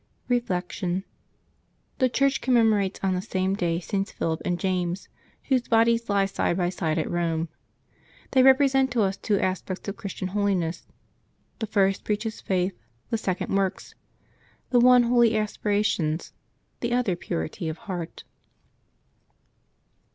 Reflection. — The Church commemorates on the same day Sts. Philip and James, whose bodies lie side by side at Eome. They represent to us two aspects of Christian holi ness. The first preaches faith, the second works; the one holy aspirations, the other purity of heart.